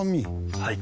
はい。